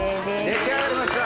出来上がりました。